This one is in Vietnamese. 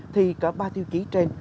thì cả ba tiêu chí trên